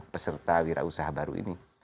peserta wira usaha baru ini